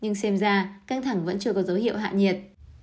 nhưng xem ra căng thẳng vẫn chưa có dấu hiệu hạ nhiệt